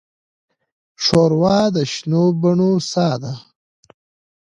ښوروا د شنو بڼو ساه ده.